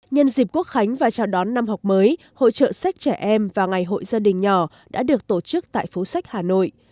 nhân dịp quốc khánh và chào đón năm học mới hội trợ sách trẻ em và ngày hội gia đình nhỏ đã được tổ chức tại phố sách hà nội